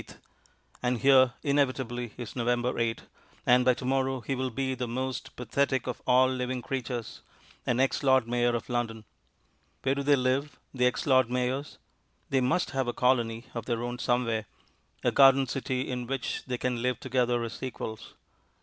And here, inevitably, is November 8, and by to morrow he will be that most pathetic of all living creatures, an ex Lord Mayor of London. Where do they live, the ex Lord Mayors? They must have a colony of their own somewhere, a Garden City in which they can live together as equals.